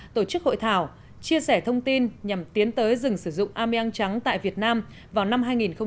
tổ chức hội thảo chia sẻ thông tin nhằm tiến tới dừng sử dụng ameang trắng tại việt nam vào năm hai nghìn hai mươi